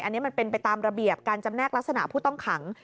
อันนี้มันเป็นไปตามระเบียบการจำแนกลักษณะผู้ต้องขัง